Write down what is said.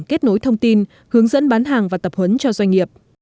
kết nối thông tin hướng dẫn bán hàng và tập huấn cho doanh nghiệp